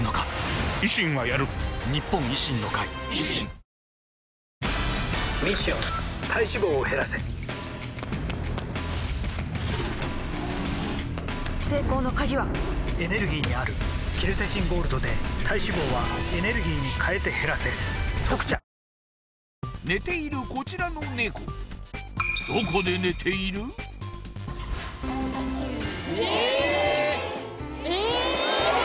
ミッション体脂肪を減らせ成功の鍵はエネルギーにあるケルセチンゴールドで体脂肪はエネルギーに変えて減らせ「特茶」寝ているこちらのネコえっ！